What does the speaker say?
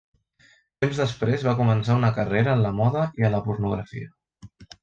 Temps després va començar una carrera en la moda i en la pornografia.